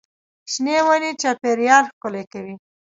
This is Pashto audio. شنې ونې چاپېریال ښکلی کوي.